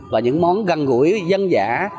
và những món gần gũi dân dã